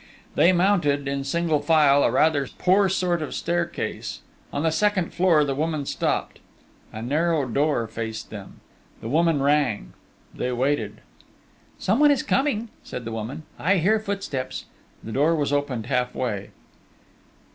They mounted, in single file, a rather poor sort of staircase: on the second floor the woman stopped. A narrow door faced them.... The woman rang.... They waited.... "Someone is coming!" said the woman. "I hear footsteps." The door was opened half way.